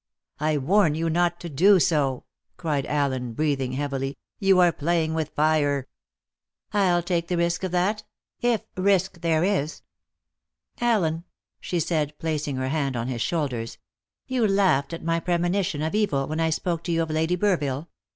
"I warn you not to do so;" cried Allen, breathing heavily; "you are playing with fire!" "I'll take the risk of that if risk there is. Allen," she said, placing her hands on his shoulders, "you laughed at my premonition of evil when I spoke to you of Lady Burville.